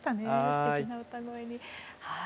すてきな歌声に。